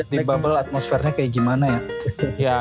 gak tau ya di bubble di bubble atmosfernya kayak gimana ya